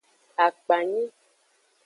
Akpanyi.